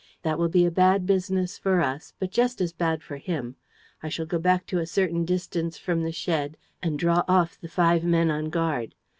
That will be a bad business for us, but just as bad for him. I shall go back to a certain distance from the shed and draw off the five men on guard.